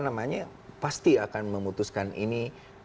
nah saya pasti akan memutuskan ini